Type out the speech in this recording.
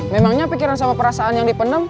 memangnya pikiran sama perasaan yang dipenam